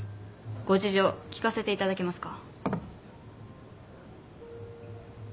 ご事情聞かせていただけますか？